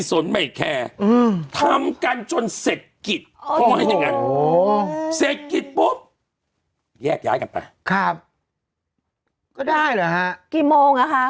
เศรษฐกิจปุ๊บแยกย้ายกันไปครับก็ได้เหรอฮะกี่โมงอ่ะคะ